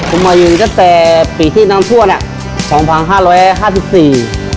ผมมาอยู่ตั้งแต่ปีที่น้ำท่วมอ่ะสองพันห้าร้อยห้าสิบสี่